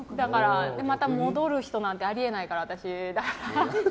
また戻るなんてあり得ないから、私。